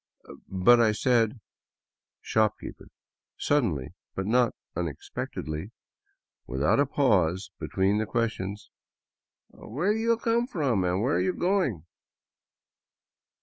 " But I said. ..." Shopkeeper, suddenly, but not unexpectedly, without a pause be tween the questions :" Where do you come from where are you go ing?"